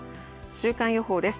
週間予報です。